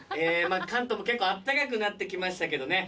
関東も結構暖かくなって来ましたけどね。